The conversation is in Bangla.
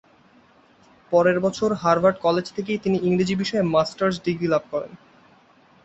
পরের বছর হার্ভার্ড কলেজ থেকেই তিনি ইংরেজি বিষয়ে মাস্টার্স ডিগ্রি লাভ করেন।